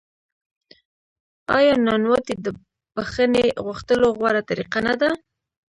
آیا نانواتې د بخښنې غوښتلو غوره طریقه نه ده؟